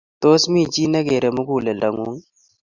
Tos, mi chi negiiri muguleldongung?